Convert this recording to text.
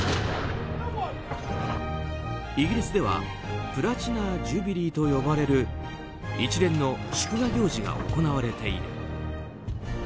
イギリスではプラチナ・ジュビリーと呼ばれる一連の祝賀行事が行われている。